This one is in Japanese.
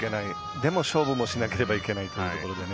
でも勝負もしなければいけないというところでね。